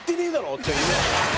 っていう。